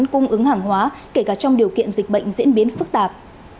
các phương án cung ứng hàng hóa kể cả trong điều kiện dịch bệnh diễn biến phức tạp